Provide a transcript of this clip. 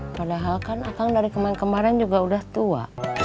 padahal kan atang dari kemarin kemarin juga udah tua